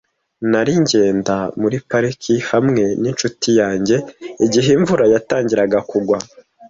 Nari ngenda muri parike hamwe ninshuti yanjye igihe imvura yatangiraga kugwa.